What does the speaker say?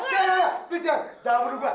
please jangan jangan berubah